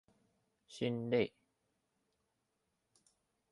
心累